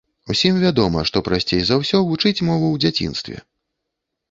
Усім вядома, што прасцей за ўсё вучыць мову ў дзяцінстве.